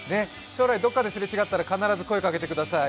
将来、どっかですれ違ったら必ず声かけてください。